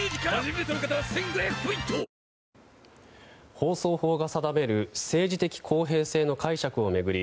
放送法が定める政治的公平性の解釈を巡り